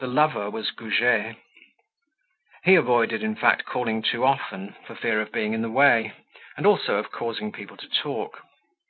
The lover was Goujet. He avoided, in fact, calling too often for fear of being in the way, and also of causing people to talk.